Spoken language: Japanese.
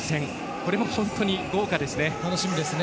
これも本当に豪華ですね。